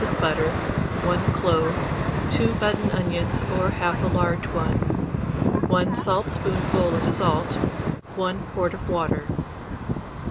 of butter, 1 clove, 2 button onions or 1/2 a large one, 1 saltspoonful of salt, 1 quart of water.